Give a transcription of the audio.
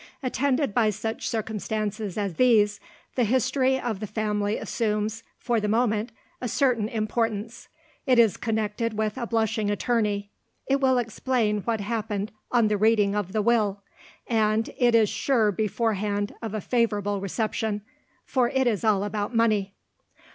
Attended by such circumstances as these, the history of the family assumes, for the moment, a certain importance. It is connected with a blushing attorney. It will explain what happened on the reading of the Will. And it is sure beforehand of a favourable reception for it is all about money.